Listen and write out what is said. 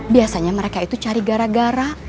biasanya mereka itu cari gara gara